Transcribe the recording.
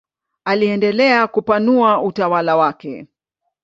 Aliendelea kupanua utawala wake.